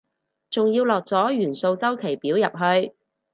仲要落咗元素週期表入去